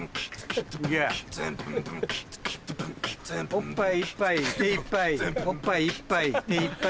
おっぱいいっぱい手いっぱい